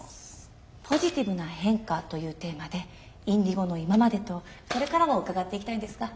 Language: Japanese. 「ポジティブな変化」というテーマでＩｎｄｉｇｏの今までとこれからを伺っていきたいんですが。